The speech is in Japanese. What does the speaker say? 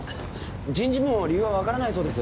人事部も理由はわからないそうです。